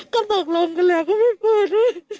ก็ตกลงกันแหละก็ไม่เปิด